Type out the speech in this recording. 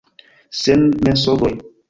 Sen mensogoj!